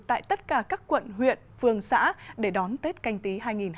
tại tất cả các quận huyện phường xã để đón tết canh tí hai nghìn hai mươi